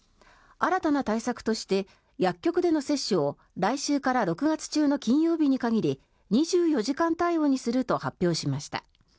新たな対策として薬局での接種を来週から６月中の金曜日に限り２４時間対応にすると発表しました。